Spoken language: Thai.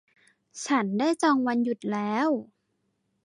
ฉันได้จองวันหยุดแล้ว